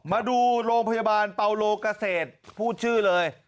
มาดูโรงพยาบาลเปาโลเกษตรพูดชื่อเลย